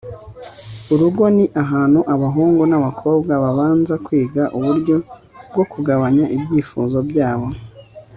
urugo ni ahantu abahungu n'abakobwa babanza kwiga uburyo bwo kugabanya ibyifuzo byabo